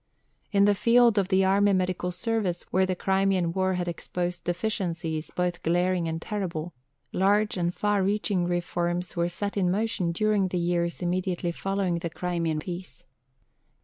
In the field of the Army Medical Service, where the Crimean War had exposed deficiencies both glaring and terrible, large and far reaching reforms were set in motion during the years immediately following the Crimean peace.